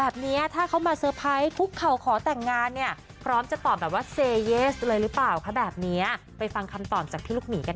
พี่ลูกหมีกันค่ะ